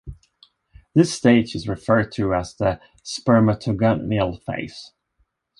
This stage is referred to as the "spermatogonial phase".